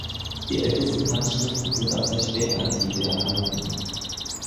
Die ältesten Handschriften sind aus der Spätantike erhalten.